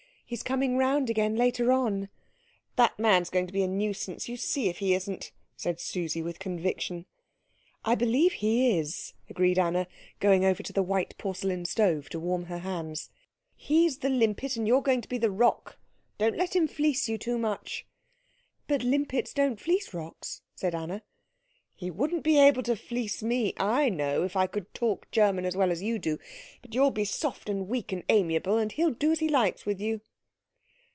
"He's coming round again later on." "That man's going to be a nuisance you see if he isn't," said Susie with conviction. "I believe he is," agreed Anna, going over to the white porcelain stove to warm her hands. "He's the limpet, and you're going to be the rock. Don't let him fleece you too much." "But limpets don't fleece rocks," said Anna. "He wouldn't be able to fleece me, I know, if I could talk German as well as you do. But you'll be soft and weak and amiable, and he'll do as he likes with you."